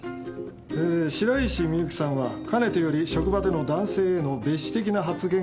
えー白石美由紀さんはかねてより職場での男性へのべっ視的な発言が絶えなかった。